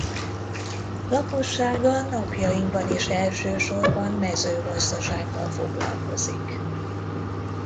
Lakossága napjainkban is elsősorban mezőgazdasággal foglalkozik.